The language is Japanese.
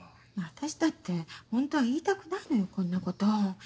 私だってホントは言いたくないのよこんなこと。